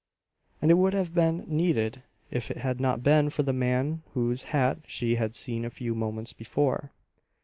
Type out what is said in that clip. And it would have been needed if it had not been for the man whose hat she had seen a few moments before.